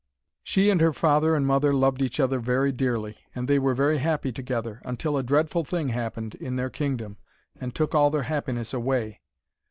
She and her father and mother loved each other very dearly, and they were very happy together, until a dreadful thing happened in their kingdom and took all their happiness away.